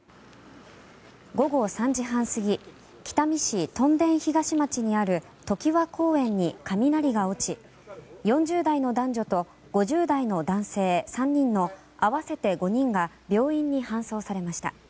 午後３時半過ぎ北見市とん田東町にある常盤公園に雷が落ち４０代の男女と５０代の男性３人の合わせて５人が病院に搬送されました。